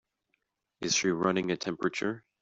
Is she running a temperature?